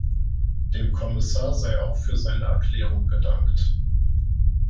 Dem Kommissar sei auch für seine Erklärung gedankt.